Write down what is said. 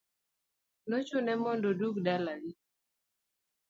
Nochune mondo odug dala gi.